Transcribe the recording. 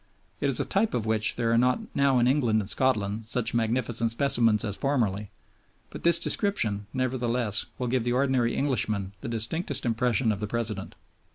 It is a type of which there are not now in England and Scotland such magnificent specimens as formerly; but this description, nevertheless, will give the ordinary Englishman the distinctest impression of the President.